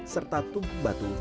serta tumpung batu